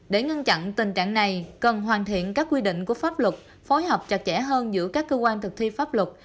để ngăn chặn tình trạng này cần hoàn thiện các quy định của pháp luật phối hợp chặt chẽ hơn giữa các cơ quan thực thi pháp luật